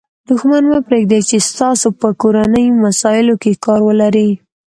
دوښمن مه پرېږدئ، چي ستاسي په کورنۍ مسائلو کښي کار ولري.